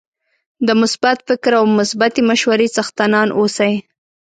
د مثبت فکر او مثبتې مشورې څښتنان اوسئ